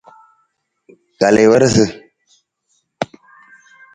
Kal i warasa.